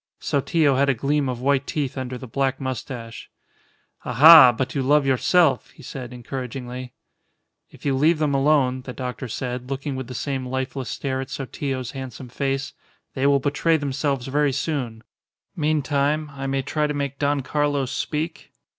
Sotillo had a gleam of white teeth under the black moustache. "Aha! But you love yourself," he said, encouragingly. "If you leave them alone," the doctor said, looking with the same lifeless stare at Sotillo's handsome face, "they will betray themselves very soon. Meantime, I may try to make Don Carlos speak?"